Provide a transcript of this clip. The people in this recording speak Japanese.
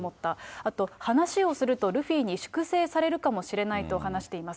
あと、話をするとルフィに粛清されるかもしれないと話しています。